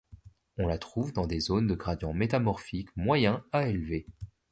On la trouve dans des zones de gradient métamorphique moyen à élevé.